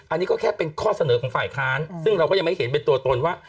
อันนี้ก็แค่เป็นข้อเสนอของฝ่ายค้านซึ่งเราก็ยังไม่เห็นเป็นตัวตนว่า